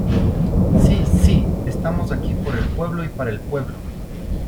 ¡si! ¡si! estamos aquí por el pueblo y para el pueblo